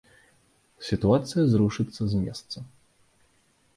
Сітуацыя зрушыцца з месца.